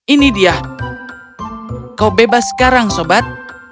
ini dia kau bebas sekarang sobat